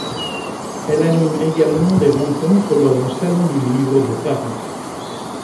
Elle anime également des rencontres lors du Salon du livre de Paris.